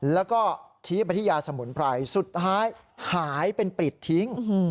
แล้วก็ชี้ไปที่ยาสมุนไพรสุดท้ายหายเป็นปริดทิ้ง